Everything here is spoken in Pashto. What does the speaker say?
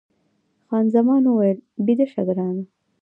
خان زمان وویل، بیده شه ګرانه.